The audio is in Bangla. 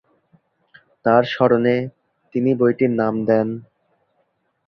তার স্মরণে তিনি বইটির নাম দেন।